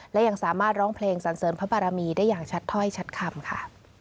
และยังสามารถร้องเพลงสันเสริญพระบารมีได้อย่างชัดถ้อยชัดคำค่ะ